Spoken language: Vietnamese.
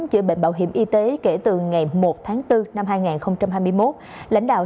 chữa bệnh bảo hiểm y tế kể từ ngày một tháng bốn năm hai nghìn hai mươi một